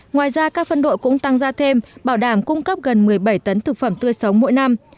ngoài ra các phân đội cũng tăng ra thêm bảo đảm cung cấp gần một mươi bảy tấn thực phẩm tươi sống mỗi năm